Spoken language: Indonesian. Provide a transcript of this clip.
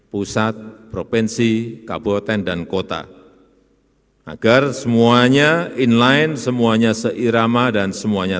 pusat provinsi kabupaten dan kota agar semuanya inline semuanya seirama dan semuanya